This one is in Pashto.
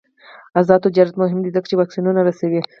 آزاد تجارت مهم دی ځکه چې واکسینونه رسوي.